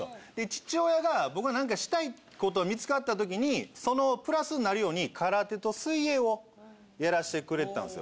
父親が僕がなんかしたいこと見つかったときにそのプラスになるように空手と水泳をやらしてくれてたんですよ。